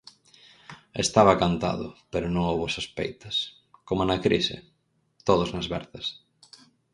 Estaba cantado, pero non houbo sospeitas; coma na crise: todos nas verzas.